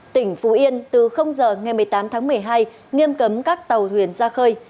tỉnh phú yên từ giờ ngày một mươi tám tháng một mươi hai nghiêm cấm các tàu thuyền ra khơi